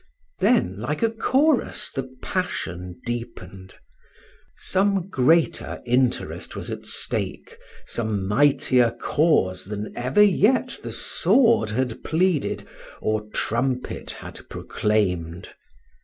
Then like a chorus the passion deepened. Some greater interest was at stake, some mightier cause than ever yet the sword had pleaded, or trumpet had proclaimed.